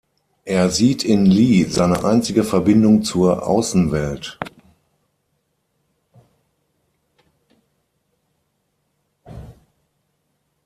Er sieht in Lee seine einzige Verbindung zur Außenwelt.